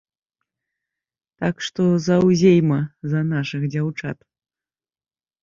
Так што заўзейма за нашых дзяўчат!